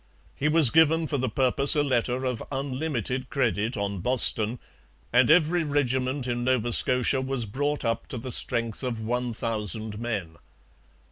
He was given for the purpose a letter of unlimited credit on Boston; and every regiment in Nova Scotia was brought up to the strength of one thousand men.